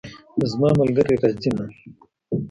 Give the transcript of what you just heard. زما ملګری راځي نن